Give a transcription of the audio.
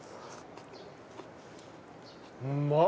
うまっ！